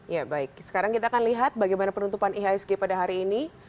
ya baik sekarang kita akan lihat bagaimana penutupan ihsg pada hari ini